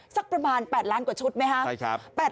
สักประมาณ๘ล้านกว่าชุดไหมครับ